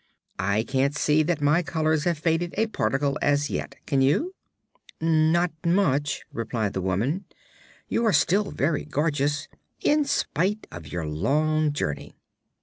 I can't see that my colors have faded a particle, as yet; can you?" "Not much," replied the woman. "You are still very gorgeous, in spite of your long journey."